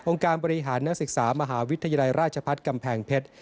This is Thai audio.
องค์การบริหารณสิกสาว์มหาวิทยาลัยราชพัฒน์กำแพงเพชร